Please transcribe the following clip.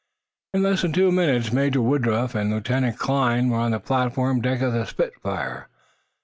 In less than two minutes Major Woodruff and Lieutenant Kline were on the platform deck of the "Spitfire."